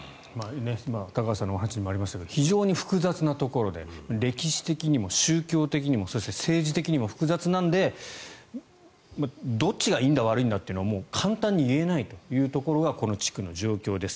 今、高橋さんのお話にもありましたが非常に複雑なところで歴史的にも宗教的にも政治的にも複雑なのでどっちがいいんだ悪いんだというのは簡単に言えないというのがこの地区の状況です。